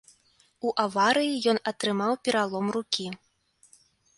У аварыі ён атрымаў пералом рукі.